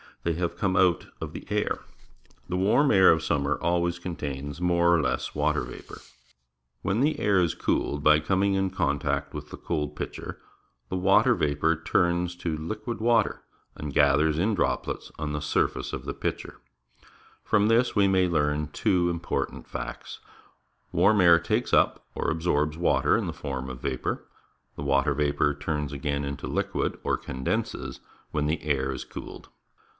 They have come out of the air. The warm air of summer always contains more or less water vapour. When the air is cooled by coming in contact with the cold pitcher, the water vapour turns to hquid water and gathers in drops on the surface of the pitcher. Diagram showing the Movement of Winds From this we may learn two important facts. Warm air takes up, or absorbs, water in the form of vapour. The water vapour turns again into liquid, or condenses, when the air is cooled.